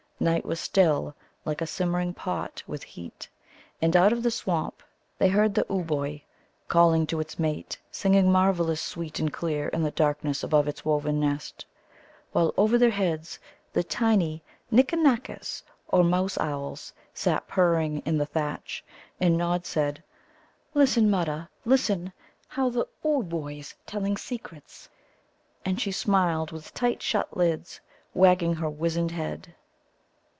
Night was still, like a simmering pot, with heat. And out of the swamp they heard the Ooboë calling to its mate, singing marvellous sweet and clear in the darkness above its woven nest; while over their heads the tiny Nikka nakkas, or mouse owls, sat purring in the thatch. And Nod said: "Listen, Mutta, listen; how the Ooboë's telling secrets!" And she smiled with tight shut lids, wagging her wizened head.